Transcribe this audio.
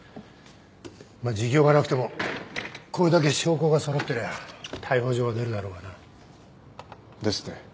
まあ自供がなくてもこれだけ証拠が揃ってりゃ逮捕状は出るだろうがな。ですね。